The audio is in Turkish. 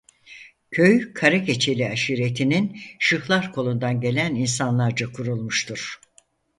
Köy Karakeçili Aşiretinin Şıhlar Kolu'ndan gelen insanlarca kurulmuştur.